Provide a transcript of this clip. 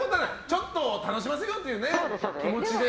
ちょっと楽しませようっていう気持ちで。